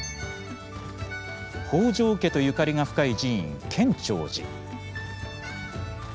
北条家とゆかりが深い寺院建長寺。